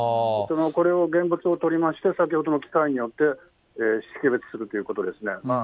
これを現物をとりまして、先ほどの機械によって、識別するということですね。